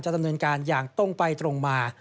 ดำเนินการอย่างตรงไปตรงมา